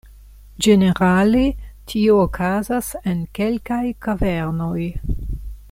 Ĝenerale tio okazas en kelkaj kavernoj.